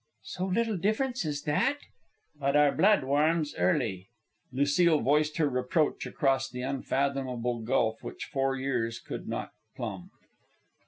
"So little difference as that!" "But our blood warms early." Lucile voiced her reproach across the unfathomable gulf which four years could not plumb.